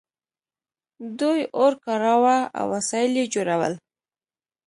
دوی اور کاراوه او وسایل یې جوړول.